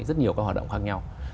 rất nhiều các hoạt động khác nhau